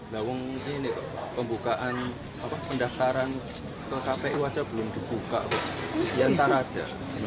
bawang ini pembukaan pendaftaran ke kpi wajah belum dibuka ya ntar aja